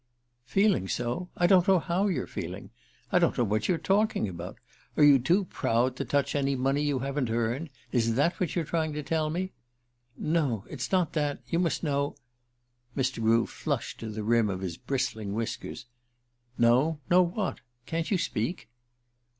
"Feeling so? I don't know how you're feeling. I don't know what you're talking about. Are you too proud to touch any money you haven't earned? Is that what you're trying to tell me?" "No. It's not that. You must know " Mr. Grew flushed to the rim of his bristling whiskers. "Know? Know what? Can't you speak?"